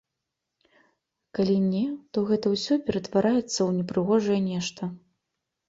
Калі не, то гэта ўсё ператвараецца ў непрыгожае нешта.